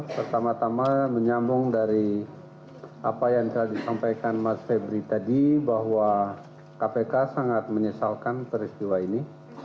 pertama tama menyambung dari apa yang telah disampaikan mas febri tadi bahwa kpk sangat menyesalkan peristiwa ini